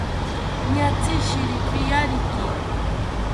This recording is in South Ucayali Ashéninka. Niatzi shiripiyariki